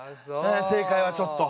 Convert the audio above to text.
正解はちょっと。